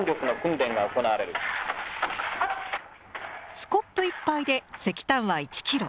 スコップ１杯で石炭は１キロ。